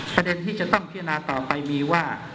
ประเด็นที่จะต้องพิจารณาต่อไปมีว่า